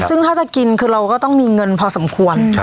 ซึ่งถ้าจะกินคือเราก็ต้องมีเงินพอสมควร